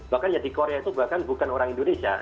bahkan ya di korea itu bahkan bukan orang indonesia